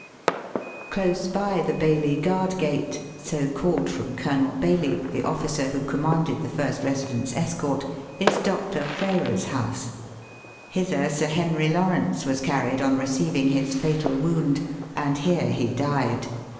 Close by the Baillie Guard Gate — so called from Colonel Baillie, the officer who commanded the first Resident's escort — is Dr. Frayrer's house. Hither Sir Henry Lawrence was carried on receiving his fatal wound, and here he died.